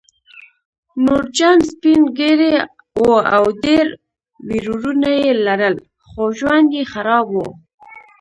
نورجان سپین ږیری و او ډېر ورېرونه یې لرل خو ژوند یې خراب و